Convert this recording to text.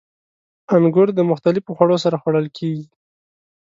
• انګور د مختلفو خوړو سره خوړل کېږي.